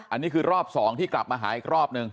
อันนี้คือรอบ๒ที่กลับมาหาอีกรอบหนึ่ง